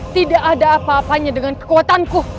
tidak ada apa apanya dengan kekuatanku